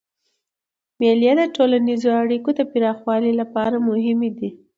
مېلې د ټولنیزو اړیکو د پراخولو له پاره مهمي دي.